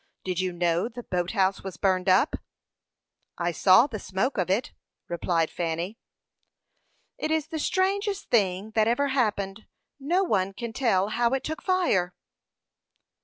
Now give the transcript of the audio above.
Did you know the boat house was burned up?" "I saw the smoke of it," replied Fanny. "It is the strangest thing that ever happened. No one can tell how it took fire."